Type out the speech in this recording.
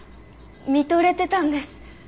見とれてたんです。